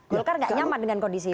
golkar tidak nyaman dengan kondisi itu